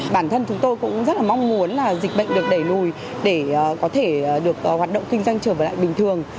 bản thân chúng tôi cũng rất là mong muốn là dịch bệnh được đẩy lùi để có thể được hoạt động kinh doanh trở lại bình thường